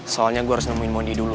soalnya gue harus nemuin mondi dulu